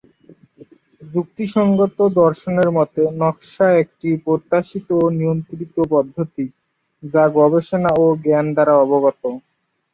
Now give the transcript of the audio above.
যুক্তিসঙ্গত দর্শনের মতে, নকশা একটি প্রত্যাশিত ও নিয়ন্ত্রিত পদ্ধতি যা গবেষণা ও জ্ঞান দ্বারা অবগত।